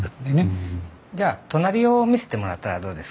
じゃあ隣を見してもらったらどうですか？